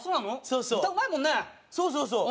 そうそうそう！